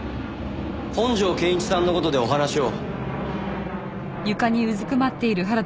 本条健一さんの事でお話を。